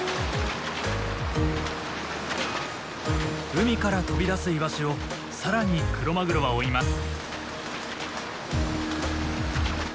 海から飛び出すイワシをさらにクロマグロは追います。